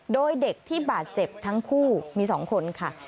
โดยเด็กที่บาดเจ็บทั้งคู่มี๒คนค่ะ